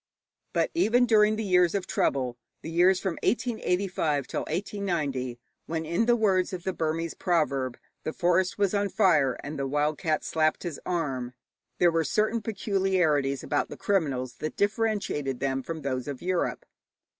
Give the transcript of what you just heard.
But even during the years of trouble, the years from 1885 till 1890, when, in the words of the Burmese proverb, 'the forest was on fire and the wild cat slapped his arm,' there were certain peculiarities about the criminals that differentiated them from those of Europe.